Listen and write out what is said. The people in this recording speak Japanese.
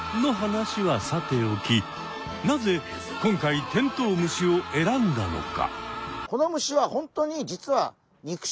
なぜ今回テントウムシを選んだのか？